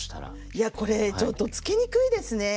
いやこれちょっとつけにくいですね。